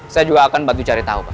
saya juga akan bantu cari tahu pak